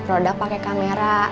produk pakai kamera